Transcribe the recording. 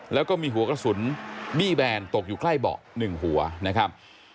แล้วก็มีหัวกระสุนบี้แบนตกอยู่ใกล้เบาะ๑หัวนะครับ